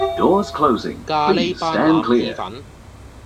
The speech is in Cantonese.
咖哩班腩意粉